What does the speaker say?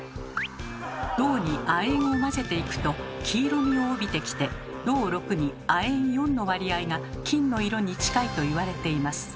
銅に亜鉛を混ぜていくと黄色みを帯びてきて銅６に亜鉛４の割合が金の色に近いと言われています。